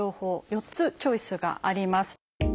４つチョイスがあります。